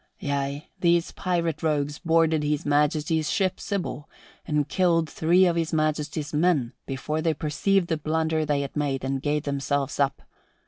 "Yea, these pirate rogues boarded His Majesty's ship Sybil and killed three of His Majesty's men before they perceived the blunder they had made and gave themselves up.